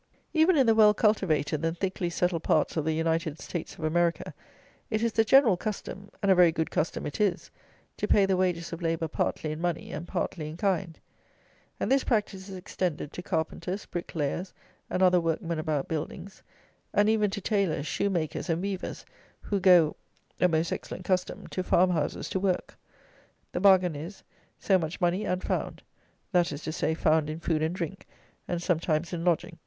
Even in the well cultivated and thickly settled parts of the United States of America, it is the general custom, and a very good custom it is, to pay the wages of labour partly in money and partly in kind; and this practice is extended to carpenters, bricklayers, and other workmen about buildings, and even to tailors, shoemakers, and weavers, who go (a most excellent custom) to farm houses to work. The bargain is, so much money and found; that is to say, found in food and drink, and sometimes in lodging.